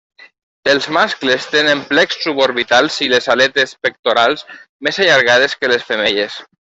Els mascles tenen plecs suborbitals i les aletes pectorals més allargades que les femelles.